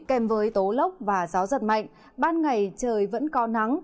kèm với tố lốc và gió giật mạnh ban ngày trời vẫn có nắng